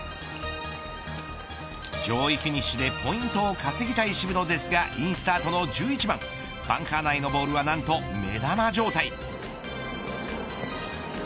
上位フィニッシュでポイントを稼ぎたい渋野ですがインスタートの１１番バンカー内のボールは何と目玉状態。